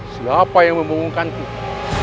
siapa yang memungkinkan kita